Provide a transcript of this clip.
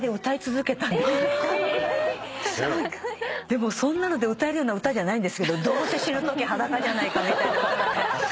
でもそんなので歌えるような歌じゃないんですけど「どうせ死ぬとき裸じゃないか」みたいに歌って。